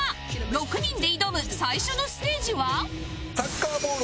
６人で挑む最初のステージは